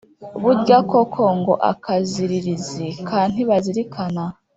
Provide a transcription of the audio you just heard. burya koko ngo akaziriziri ka ntibazirikana